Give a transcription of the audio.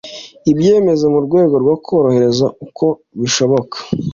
ibyemezo mu rwego rwo korohereza uko bishoboka